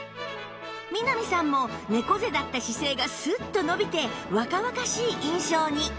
南さんも猫背だった姿勢がスッと伸びて若々しい印象に